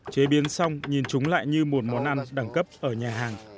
chế biến xong nhìn chúng lại như một món ăn đẳng cấp ở nhà hàng